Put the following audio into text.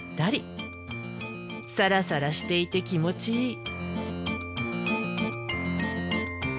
サラサラしていて気持ちいい。